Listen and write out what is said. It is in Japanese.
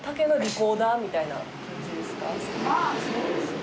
まあそうですね。